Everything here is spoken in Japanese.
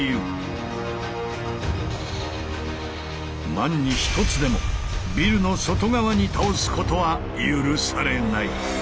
万に一つでもビルの外側に倒すことは許されない。